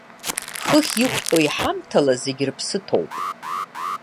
Хыхь иқәтәоу иҳамҭала зегьы рыԥсы ҭоуп.